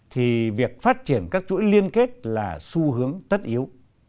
thì việc phát triển các chuỗi liên kết là xu hướng tất yếu